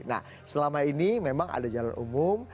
nah selama ini memang ada jalan umum